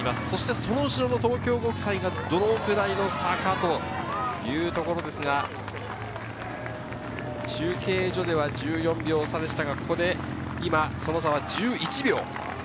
その後ろの東京国際がどのくらいの差かというところですが、中継所では１４秒差でしたが、ここで今、その差は１１秒。